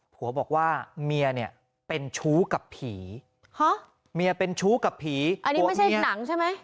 บอกว่าเมียเนี่ยเป็นชู้กับผีฮะเมียเป็นชู้กับผีอันนี้ไม่ใช่หนังใช่ไหม